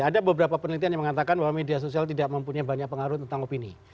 ada beberapa penelitian yang mengatakan bahwa media sosial tidak mempunyai banyak pengaruh tentang opini